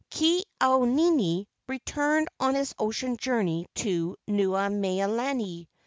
Ke au nini returned on his ocean journey to Nuu mea lani.